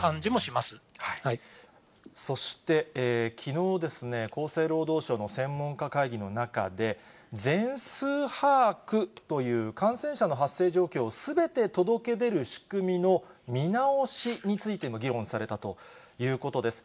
そして、きのうですね、厚生労働省の専門家会議の中で、全数把握という、感染者の発生状況をすべて届け出る仕組みの見直しについても議論されたということです。